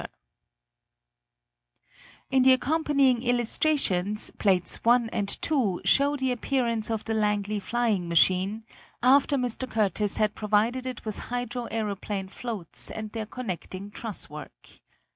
] In the accompanying illustrations, plates 1 and 2 show the appearance of the Langley flying machine after Mr. Curtiss had provided it with hydroaeroplane floats and their connecting truss work.